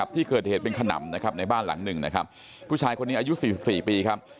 ที่เคยเห็นเป็นขนำในบ้านหลังหนึ่งผู้ชายคนนี้อายุ๔๔ปีครับ